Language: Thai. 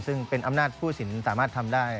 ซึ่งเป็นอำนาจผู้สินสามารถทำได้